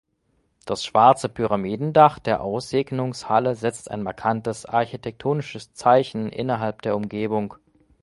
Das schwarze Pyramidendach der Aussegnungshalle setzt ein markantes architektonisches Zeichen innerhalb der Umgebung.